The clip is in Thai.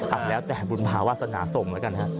อ้าวแล้วแต่บุญพาวาสนาสมแล้วกันครับ